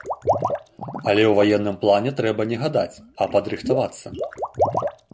Але ў ваенным плане трэба не гадаць, а падрыхтавацца.